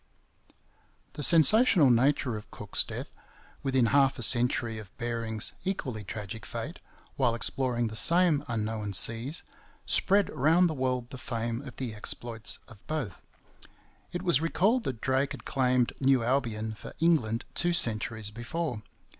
The sensational nature of Cook's death, within half a century of Bering's equally tragic fate, while exploring the same unknown seas, spread round the world the fame of the exploits of both. It was recalled that Drake had claimed New Albion for England two centuries before.